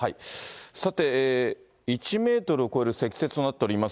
さて、１メートルを超える積雪となっております